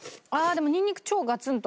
でもニンニク超ガツンと！